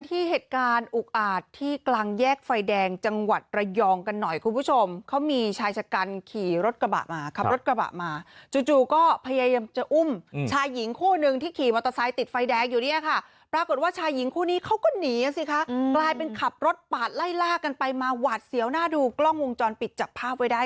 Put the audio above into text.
ที่เหตุการณ์อุกอาจที่กลางแยกไฟแดงจังหวัดระยองกันหน่อยคุณผู้ชมเขามีชายชะกันขี่รถกระบะมาขับรถกระบะมาจู่จู่ก็พยายามจะอุ้มชายหญิงคู่หนึ่งที่ขี่มอเตอร์ไซค์ติดไฟแดงอยู่เนี่ยค่ะปรากฏว่าชายหญิงคู่นี้เขาก็หนีอ่ะสิคะกลายเป็นขับรถปาดไล่ล่ากันไปมาหวาดเสียวหน้าดูกล้องวงจรปิดจับภาพไว้ได้